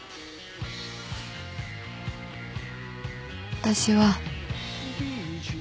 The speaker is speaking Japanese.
私は。